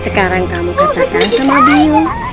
sekarang kamu katakan sama beliau